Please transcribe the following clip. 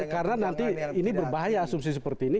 karena nanti ini berbahaya asumsi seperti ini